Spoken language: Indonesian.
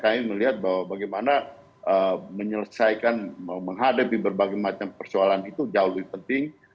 kami melihat bahwa bagaimana menyelesaikan menghadapi berbagai macam persoalan itu jauh lebih penting